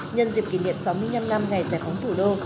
nhân dịp kỷ niệm sáu mươi năm năm ngày giải phóng thủ đô